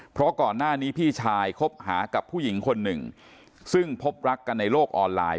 เพราะก่อนหน้านี้พี่ชายคบหากับผู้หญิงคนหนึ่งซึ่งพบรักกันในโลกออนไลน